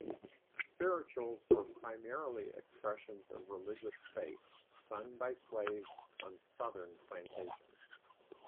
Spirituals were primarily expressions of religious faith, sung by slaves on southern plantations.